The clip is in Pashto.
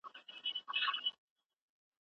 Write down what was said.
که کار په سمه توګه ترسره سي پایله به یې مثبته وي.